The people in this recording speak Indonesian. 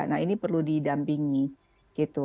nah ini perlu didampingi gitu